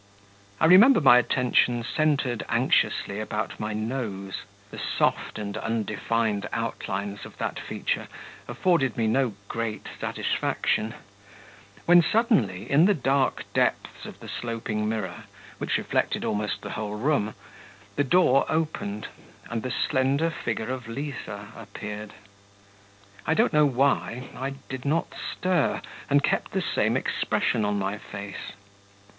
I remember my attention centred anxiously about my nose; the soft and undefined outlines of that feature afforded me no great satisfaction, when suddenly in the dark depths of the sloping mirror, which reflected almost the whole room, the door opened, and the slender figure of Liza appeared. I don't know why I did not stir, and kept the same expression on my face.